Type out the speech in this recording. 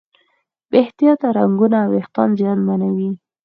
بې احتیاطه رنګونه وېښتيان زیانمنوي.